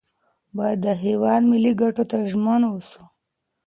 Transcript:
باید د هیواد ملي ګټو ته ژمن اوسو.